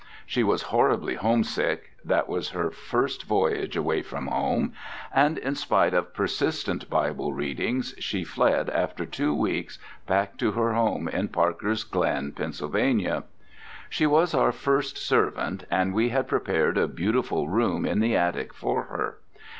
She was horribly homesick (that was her first voyage away from home) and in spite of persistent Bible readings she fled after two weeks, back to her home in Parker's Glen, Pa. She was our first servant, and we had prepared a beautiful room in the attic for her.